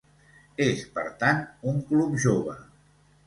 És, per tant, un club jove.